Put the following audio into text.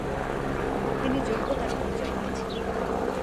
তিনি যোগ্যতার পরিচয় দিয়েছেন।